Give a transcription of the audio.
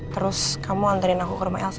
terus kamu anterin aku ke rumah elsa